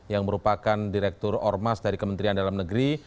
yang merupakan direktur ormas dari kementerian dalam negeri